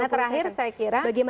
terakhir saya kira